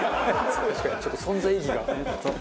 確かにちょっと存在意義が。